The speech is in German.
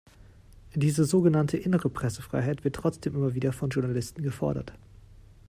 Diese so genannte innere Pressefreiheit wird trotzdem immer wieder von Journalisten gefordert.